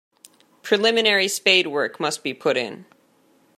Preliminary spadework must be put in.